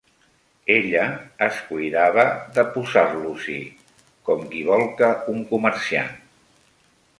Ella es cuidava de posar-los-hi, com qui volca un comerciant.